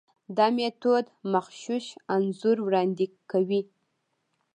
دا میتود مغشوش انځور وړاندې کوي.